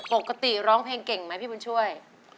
ปกติร้องเพลงเก่งไหมพี่บุญช่วย